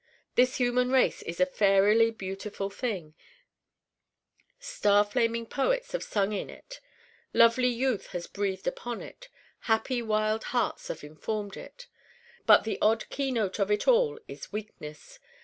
This human race is a faërily beautiful thing: star flaming poets have sung in it: lovely youth has breathed upon it: happy wild hearts have informed it. But the odd keynote of it all is weakness.